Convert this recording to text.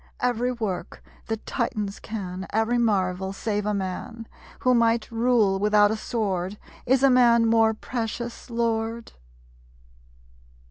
Every work that Titans can; Every marvel: save a man, Who might rule without a sword. Is a man more precious, Lord?